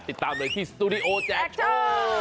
ติดตามเลยที่สตูดิโอแจกโชว์